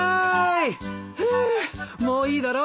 フゥもういいだろ？